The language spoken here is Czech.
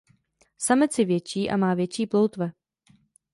Samec je větší a má větší ploutve.